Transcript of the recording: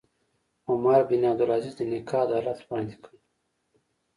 عمر بن عبدالعزیز د نیکه عدالت وړاندې کړ.